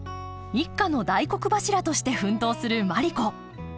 一家の大黒柱として奮闘するマリ子。